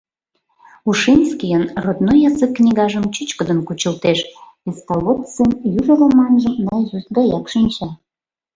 Ушинскийын «Родной язык» книгажым чӱчкыдын кучылтеш, Песталоццин южо романжым наизусть гаяк шинча.